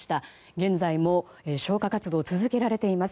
現在も消火活動が続けられています。